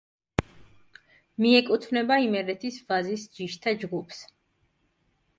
მიეკუთვნება იმერეთის ვაზის ჯიშთა ჯგუფს.